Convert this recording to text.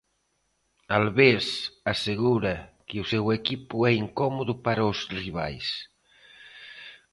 Albés asegura que o seu equipo é incomodo para os rivais.